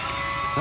何？））